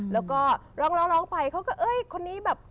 แล้วก็ร้องไปเขาก็เอ้ยคนนี้แบบ